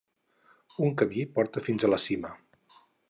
Un camí porta fins a la cima.